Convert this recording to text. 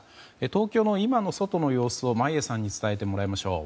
東京の今の外の様子を眞家さんに伝えてもらいましょう。